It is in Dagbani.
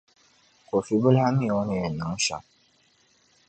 Kofi bi lahi mi o ni yɛn niŋ shɛm.